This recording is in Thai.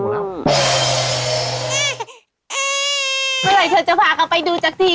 เมื่อไหร่เธอจะพาเขาไปดูสักที